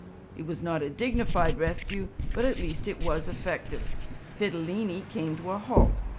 It was not a dignified rescue, but at least it was effective; Fidilini came to a halt.